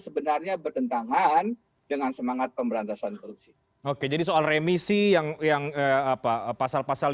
sebenarnya bertentangan dengan semangat pemberantasan korupsi oke jadi soal remisi yang yang apa pasal pasal